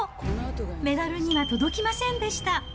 メダルには届きませんでした。